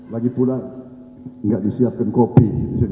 lagi pula tidak disiapkan kopi